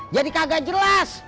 jadi kagak jelas